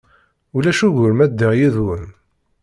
Ulac ugur ma ddiɣ yid-wen?